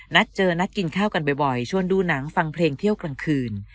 นัดเจอนัดกินข้าวกันบ่อยชวนดูหนังฟังเพลงเที่ยวกลางคืน